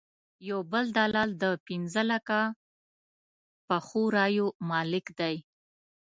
یو بل دلال د پنځه لکه پخو رایو مالک دی.